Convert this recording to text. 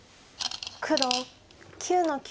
黒９の九。